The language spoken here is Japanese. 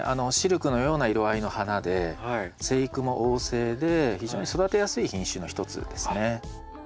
シルクのような色合いの花で生育も旺盛で非常に育てやすい品種の一つですね。